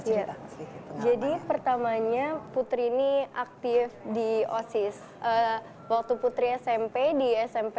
ya jadi pertamanya putri ini aktif di osis waktu putri smp di smp